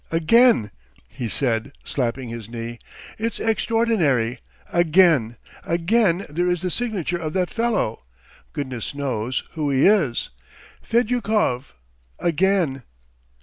"Again!" he said, slapping his knee. "It's extraordinary! Again! Again there is the signature of that fellow, goodness knows who he is! Fedyukov! Again!"